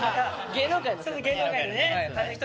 芸能界のね。